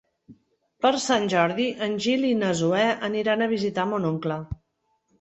Per Sant Jordi en Gil i na Zoè aniran a visitar mon oncle.